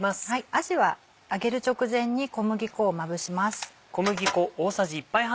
あじは揚げる直前に小麦粉をまぶします。